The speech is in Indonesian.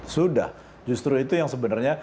sudah justru itu yang sebenarnya